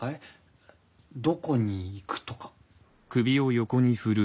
どこに行くとか。